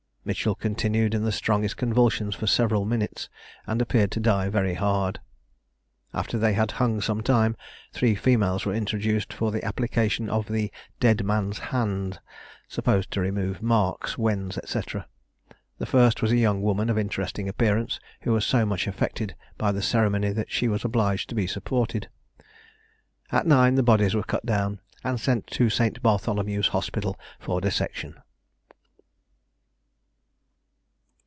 Mitchell continued in the strongest convulsions for several minutes, and appeared to die very hard. After they had hung some time, three females were introduced, for the application of the "dead man's hand," supposed to remove marks, wens, &c. The first was a young woman of interesting appearance, who was so much affected by the ceremony that she was obliged to be supported. At nine the bodies were cut down, and sent to St. Bartholomew's Hospital for dissection.